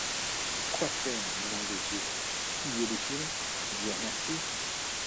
Et quoi faire? nom de Dieu! plier l’échine, dire merci.